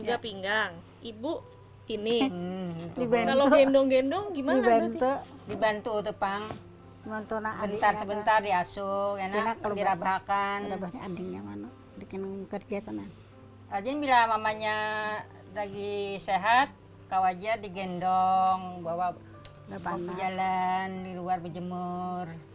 apakah ini berarti dia akan berjalan di luar berjemur